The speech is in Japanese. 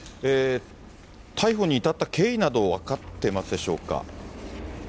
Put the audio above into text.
逮捕に至った経緯など、分かってますでしょうか。